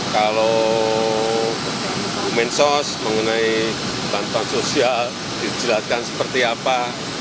kalau mensos mengenai bantuan sosial dijelaskan seperti apa